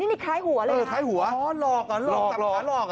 นี่มันคล้ายหัวเลยครับอ๋อคล้ายหัวหลอกเหรอหลอก